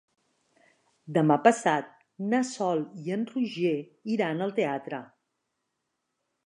Demà passat na Sol i en Roger iran al teatre.